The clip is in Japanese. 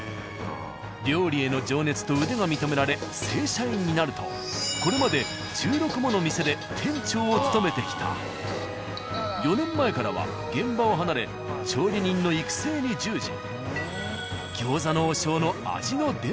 料理への情熱と腕が認められ正社員になるとこれまで４年前からは現場を離れ調理人の育成に従事。